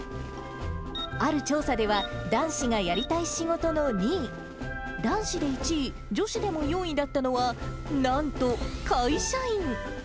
ある調査では、男子がやりたい仕事の２位、男子で１位、女子でも４位だったのは、なんと、会社員。